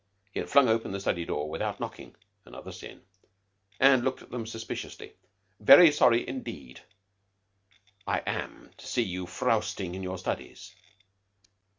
He had flung open the study door without knocking another sin and looked at them suspiciously. "Very sorry, indeed, I am to see you frowsting in your studies."